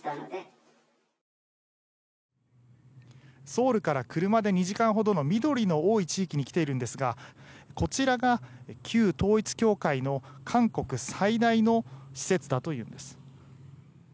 ソウルから車で２時間ほどの緑の多い地域に来ているんですがこちらが旧統一教会の韓国最大の施設だということです。